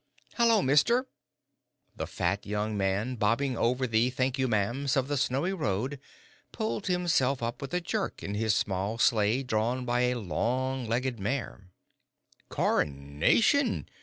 "Hello, mister!" The fat young man bobbing over the "thank you ma'ams" of the snowy road, pulled himself up with a jerk in his small sleigh drawn by a long legged mare. "Coronation!